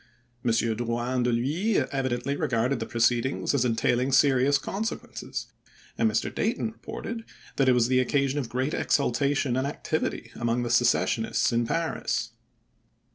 M. Drouyn de PHuys evidently regarded the proceed ings as entailing serious consequences; and Mr. Dayton reported that it was the occasion of great exultation and activity among the secessionists in Paris.